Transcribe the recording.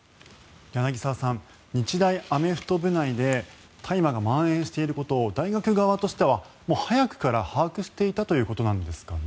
柳澤さん日大アメフト部内で大麻がまん延していることを大学側としてはもう早くから把握していたということなんですかね。